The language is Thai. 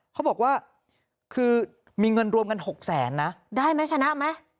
เขาบอกว่าคือมีเงินรวมกัน๖แสนนะได้ไหมชนะไหม